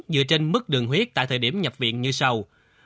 dựa trên mức đường huyết tại thời điểm nhập viện như sau